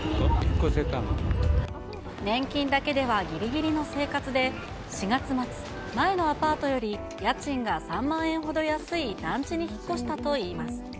年金だけではぎりぎりの生活で、４月末、前のアパートより家賃が３万円ほど安い団地に引っ越したといいます。